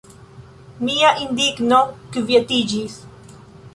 Mia indigno kvietiĝis.